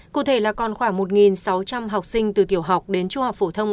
cụ thể là còn khoảng một sáu trăm linh học sinh từ tiểu học đến trung học phổ thông